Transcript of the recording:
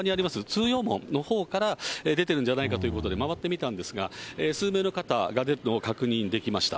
通用門のほうから出ているんじゃないかということで、回ってみたんですが、数名の方が出るのを確認できました。